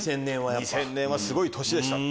２０００年はすごい年でした。